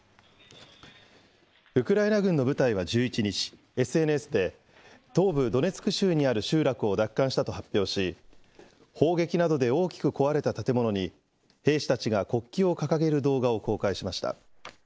ウクライナ軍の部隊は１１日、ＳＮＳで、東部ドネツク州にある集落を奪還したと発表し、砲撃などで大きく壊れた建物に、兵士たちが国旗を掲げる動画を公開しました。